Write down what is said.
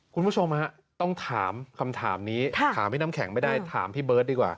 คุณผู้ชมฮะต้องถามคำถามนี้ถามพี่น้ำแข็งไม่ได้ถามพี่เบิร์ตดีกว่า